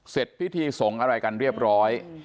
เสร็จพิธีสงฆ์อะไรกันเรียบร้อย